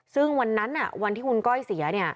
ซึ่งวันนั้นวันที่คุณก้อยเสีย